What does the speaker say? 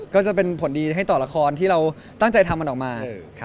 ก็จะเป็นผลดีให้ต่อละครที่เราตั้งใจทำมันออกมา